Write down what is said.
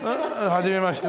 はじめまして。